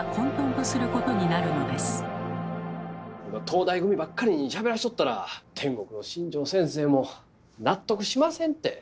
東大組ばっかりにしゃべらせとったら天国の新城先生も納得しませんて。